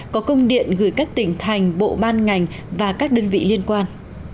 có công điện gửi các tỉnh thành bộ ban ngành và các đơn vị liên quan